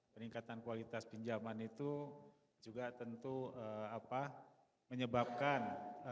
peningkatan kualitas pinjaman itu juga tentu menyebabkan